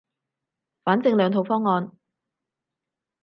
反正兩套方案